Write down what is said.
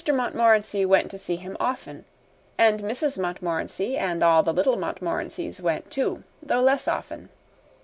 Montmorency went to see him often, and Mrs. Montmorency and all the little Montmorencys went, too, though less often.